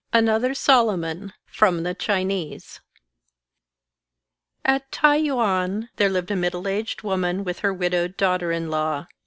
Another Solomon From the Chinese AT T'ai yiian there lived a middle aged woman with her widowed daughter in law.